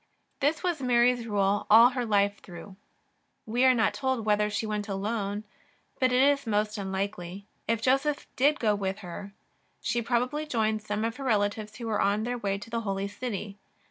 This was Mary's rule all her life through. We are not told whether she went alone, but it is most unlikely. If Joseph did not go with her, she probably joined eome of her relatives who were on their way to the Holy City.